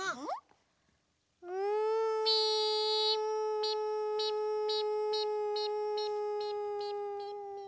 ミンミンミンミンミンミンミンミンミン。